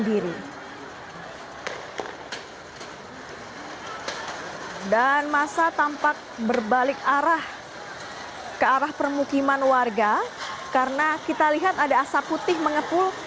dan masa tampak berbalik arah ke arah permukiman warga karena kita lihat ada asap putih mengepul